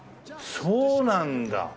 そうなんだ。